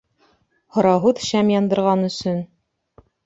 — Һорауһыҙ шәм яндырған өсөн.